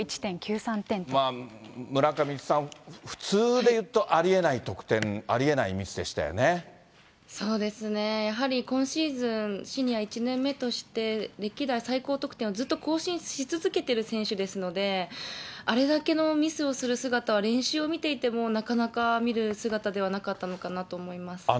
村上さん、普通で言うとありえない得点、そうですね、やはり今シーズン、シニア１年目として、歴代最高得点をずっと更新し続けてる選手ですので、あれだけのミスをする姿は、練習を見ていてもなかなか見る姿ではなかったのかなと思います。